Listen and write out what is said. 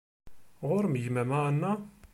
Ɣur-m gma-m a Ana?